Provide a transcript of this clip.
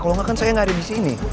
kalau enggak kan saya nggak ada di sini